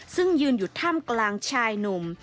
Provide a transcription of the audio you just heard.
ซึ่งยืนอยู่ท่ามกลางชายหนุ่ม